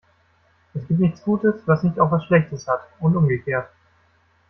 Es gibt nichts Gutes, was nicht auch was Schlechtes hat, und umgekehrt.